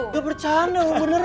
gak bercanda lo beneran